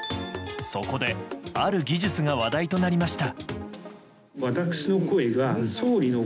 そこで、ある技術が話題となりました。